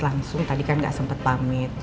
langsung tadi kan gak sempet pamit